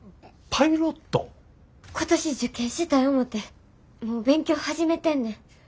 今年受験したい思てもう勉強始めてんねん。